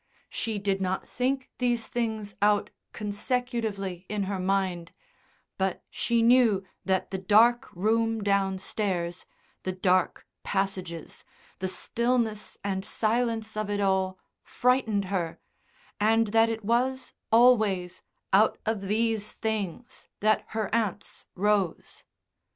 She did not think these things out consecutively in her mind, but she knew that the dark room downstairs, the dark passages, the stillness and silence of it all frightened her, and that it was always out of these things that her aunts rose.